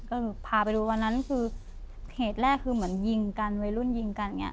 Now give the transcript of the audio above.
ก็พาไปดูวันนั้นคือเหตุแรกคือเหมือนยิงกันวัยรุ่นยิงกันอย่างนี้